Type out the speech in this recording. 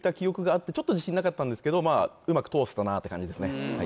ちょっと自信なかったんですけどうまく通せたなって感じですね